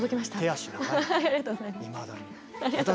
ありがとうございます。